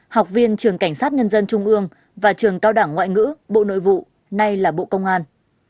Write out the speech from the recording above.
học viên trường cảnh sát nhân dân trung ương và trường cao đảng ngoại ngữ bộ nội vụ nay là bộ công an